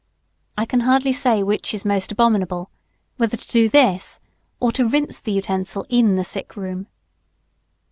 I can hardly say which is most abominable, whether to do this or to rinse the utensil in the sick room.